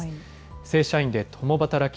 正社員で共働き。